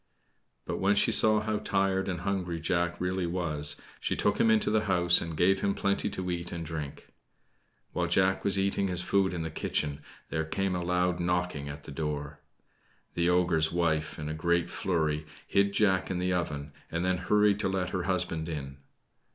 But when she saw how tired and hungry Jack really was, she took him into the house and gave him plenty to eat and drink. While Jack was eating his food in the kitchen there came a loud knocking at the door. The ogre's wife, in a great flurry, hid Jack in the oven, and then hurried to let her husband in.